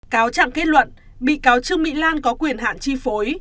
cáo trạng kết luận bị cáo trương mỹ lan có quyền hạn chi phối